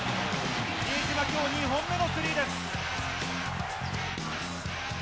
比江島、きょう２本目のスリーです。